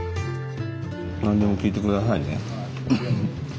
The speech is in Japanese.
何でも聞いて下さいね。